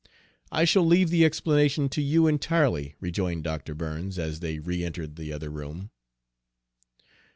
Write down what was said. "I shall leave the explanation to you entirely," rejoined Dr. Burns, as they reëntered the other room.